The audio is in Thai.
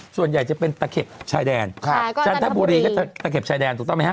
ส่วนใหญ่จะเป็นตะเข็บชายแดนจันทบุรีก็จะตะเข็บชายแดนถูกต้องไหมฮ